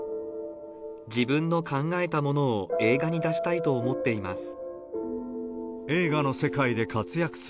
自分の考えたものを映画に出したいと思っています。